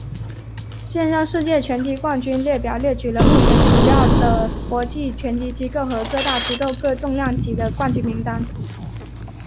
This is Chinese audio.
现任世界拳击冠军列表列举了目前主要的国际拳击机构和各大机构各重量级的冠军名单。